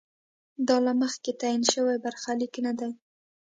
دا له مخکې تعین شوی برخلیک نه دی.